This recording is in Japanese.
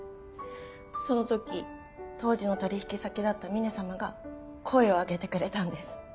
その時当時の取引先だった峰様が声を上げてくれたんです。